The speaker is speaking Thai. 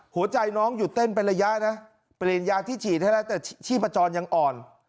หัวใจน้องหยุดเต้นเป็นระยะนะเปลี่ยนยาที่ฉีดให้แล้วแต่ชีพจรยังอ่อน